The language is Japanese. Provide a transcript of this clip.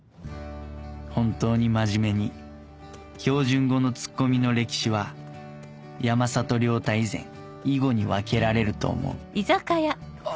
本当に真面目に標準語のツッコミの歴史は山里亮太以前・以後に分けられると思う